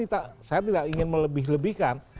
saya tidak ingin melebih lebihkan